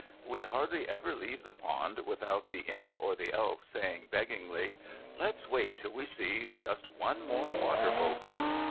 We hardly ever leave the Pond without the Imp or the Elf saying beggingly, "Let's wait till we see just one more water boatman."